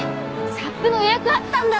サップの予約あったんだった。